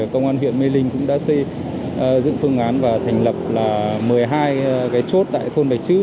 công an huyện mê linh cũng đã xây dựng phương án và thành lập một mươi hai cái chốt tại thôn bạch chữ